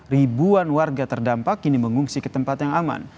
ribuan warga terdampak ini mengungsi ke tempat yang aman